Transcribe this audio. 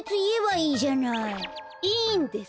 いいんです！